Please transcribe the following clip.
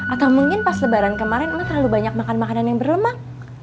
atau mungkin pas lebaran kemarin emang terlalu banyak makan makanan yang berlemak